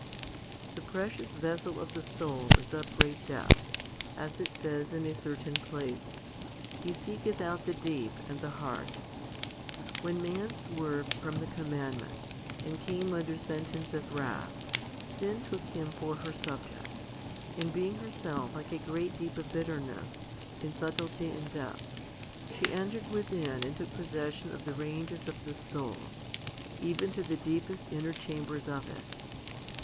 1 . THE precious vessel of the soul is of great depth, as it says in a certain place, He seeketh out the deep, and the heart. 1 When man swerved from the commandment, and came under sentence of wrath, sin took him for her subject ; and being herself like a great deep of bitterness in subtilty and depth, she entered within and took possession of the ranges of the soul, even to the deepest inner chambers of it.